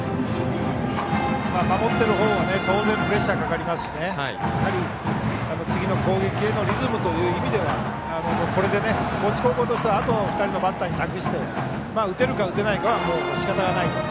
守ってる方は当然プレッシャーがかかりますしやはり、次の攻撃へのリズムという意味ではこれで、高知高校としてはあと２人のバッターに託して、打てるか打てないかはしかたがないと。